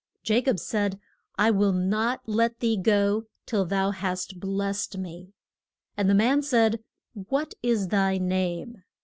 Ja cob said, I will not let thee go till thou hast blest me. And the man said, What is thy name?